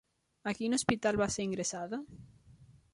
A quin hospital va ser ingressada?